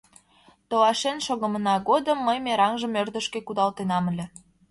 — Толашен шогымына годым мый мераҥжым ӧрдыжкӧ кудалтенам ыле.